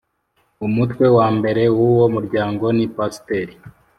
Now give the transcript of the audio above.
umutwewa mbere w uwo muryango ni Pasiteri